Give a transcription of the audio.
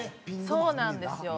そうなんですよ。